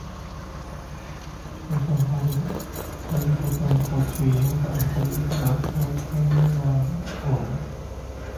Orchestra Hall was vacant for two years until it was purchased by new owners.